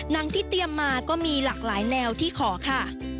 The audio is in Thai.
หนังที่เตรียมมาก็มีหลากหลายแนวที่ขอค่ะ